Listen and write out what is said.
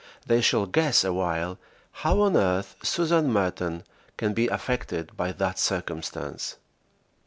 They shall guess awhile how on earth Susan Merton can be affected by that circumstance.